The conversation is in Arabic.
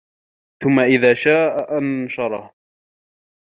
ثُمَّ إِذا شاءَ أَنشَرَهُ